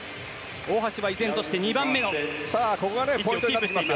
大橋は依然として２番目の位置をキープ。